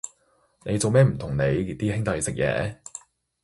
你做咩唔同你啲兄弟食嘢？